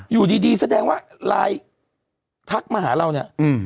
อยู่ดีแสดงว่าไลน์ทักมาหาเราเนี่ย